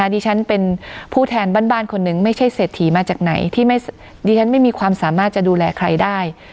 ดิฉันไม่มีความสามารถจะดูแลใครได้